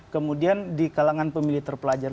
kemudian di kalangan pemilih terpelajar